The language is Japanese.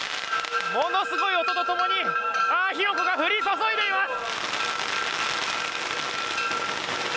ものすごい音と共に火の粉が降り注いでいます。